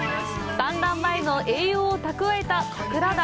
産卵前の栄養を蓄えた桜鯛。